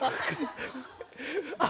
あっ！